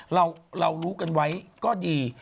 เรารู้กันไว้ก็ดี